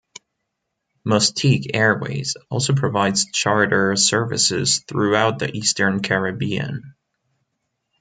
Mustique Airways also provides charter services throughout the Eastern Caribbean.